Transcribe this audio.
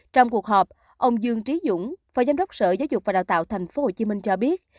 trong cuộc họp ông dương trí dũng phó giám đốc sở giáo dục và đào tạo tp hcm cho biết